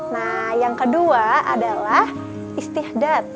nah yang kedua adalah istihdat